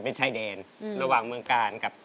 เป็นชายแดนระหว่างเมืองกาลกับ